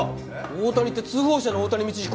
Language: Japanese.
大谷って通報者の大谷道彦？